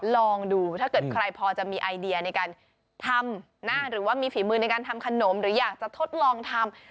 ลองดูถ้าเกิดใครพอจะมีไอเดียในการทำนะหรือว่ามีฝีมือในการทำขนมหรืออยากจะทดลองทำ